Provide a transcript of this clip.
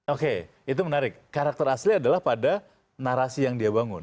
oke itu menarik karakter asli adalah pada narasi yang dia bangun